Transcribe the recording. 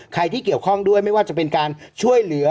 ที่เกี่ยวข้องด้วยไม่ว่าจะเป็นการช่วยเหลือ